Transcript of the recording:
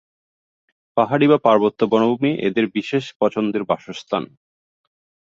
পাহাড়ি বা পার্বত্য বনভূমি এদের বিশেষ পছন্দের বাসস্থান।